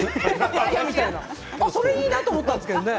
それいいなと思ったんですけれどね。